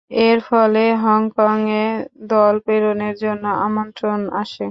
এরফলে হংকংয়ে দল প্রেরণের জন্য আমন্ত্রণ আসে।